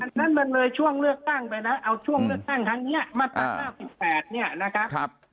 ฉะนั้นมันเลยช่วงเลือกตั้งไปนะเอาช่วงเลือกตั้งครั้งนี้มาตรา๙๘เนี่ยนะครับ